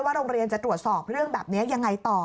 โรงเรียนจะตรวจสอบเรื่องแบบนี้ยังไงต่อ